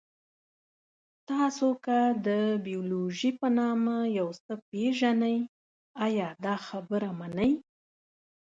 تاسو که د بیولوژي په نامه یو څه پېژنئ، ایا دا خبره منئ؟